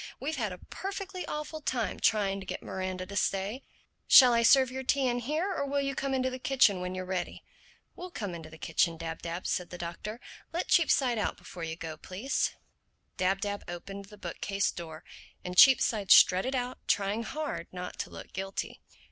We've had a perfectly awful time trying to get Miranda to stay. Shall I serve your tea in here, or will you come into the kitchen when you're ready?" "We'll come into the kitchen, Dab Dab," said the Doctor. "Let Cheapside out before you go, please." Dab Dab opened the bookcase door and Cheapside strutted out trying hard not to look guilty.